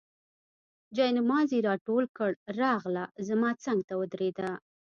جاینماز یې راټول کړ، راغله زما څنګ ته ودرېده.